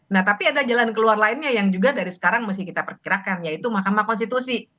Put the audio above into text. nah tapi ada jalan keluar lainnya yang juga dari sekarang mesti kita perkirakan yaitu mahkamah konstitusi